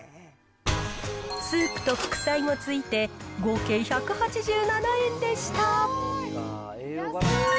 スープと副菜もついて、合計１８７円でした。